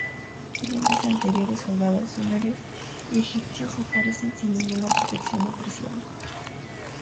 En tiempos anteriores, soldados sumerios y egipcios aparecen sin ninguna protección apreciable.